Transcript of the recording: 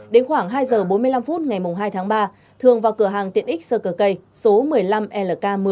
đến khoảng hai giờ bốn mươi năm phút ngày hai tháng ba thường vào cửa hàng tiện ích sơ cờ cây số một mươi năm lk một mươi